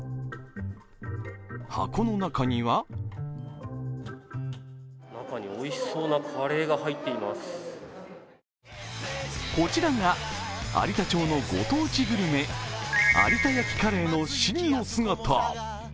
箱の中にはこちらが有田町のご当地グルメ、有田焼カレーの真の姿。